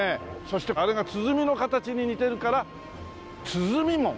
そしてあれが鼓の形に似てるから鼓門。